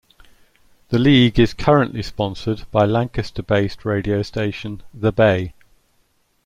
The league is currently sponsored by Lancaster-based radio station The Bay.